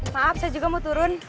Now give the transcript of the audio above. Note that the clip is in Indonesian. maaf saya juga mau turun